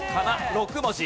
６文字。